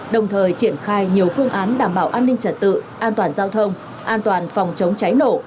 đồng thời triển khai nhiều phương án đảm bảo an ninh trật tự an toàn giao thông an toàn phòng chống cháy nổ